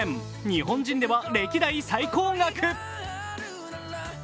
日本人では歴代最高額。